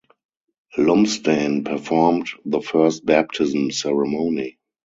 Lumsdaine performed the first baptism ceremony.